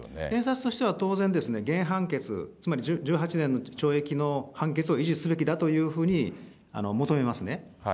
検察としては当然、原判決、つまり１８年の懲役の判決を維持すべきだというふうに求めますね。